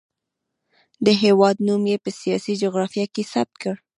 د هېواد نوم یې په سیاسي جغرافیه کې ثبت کړ.